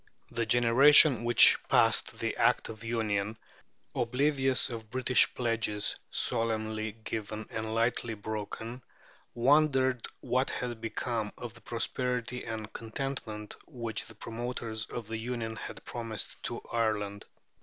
The generation which passed the Act of Union, oblivious of British pledges solemnly given and lightly broken, wondered what had become of the prosperity and contentment which the promoters of the Union had promised to Ireland.